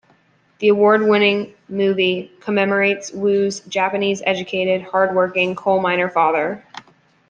The award-winning movie commemorates Wu's Japanese-educated, hard-working coal-miner father.